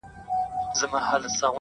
د کنفرانس د لومړۍ ورځي